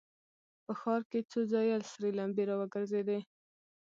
په ښار کې څو ځایه سرې لمبې را وګرځېدې.